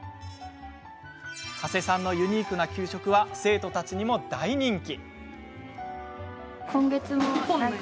加瀬さんのユニークな給食は生徒たちにも大人気。